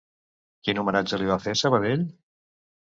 Quin homenatge li va fer Sabadell?